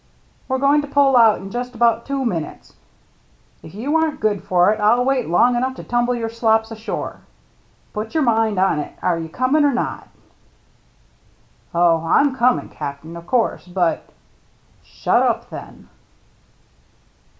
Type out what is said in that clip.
We're going to pull out in just about two minutes. If you aren't good for it, I'll wait long enough to tumble your slops ashore. Put your mind on it now — are you coming or not ?"" Oh, I'm comin', Cap'n, of course, but —"" Shut up, then."